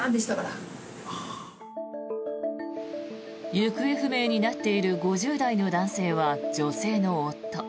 行方不明になっている５０代の男性は女性の夫。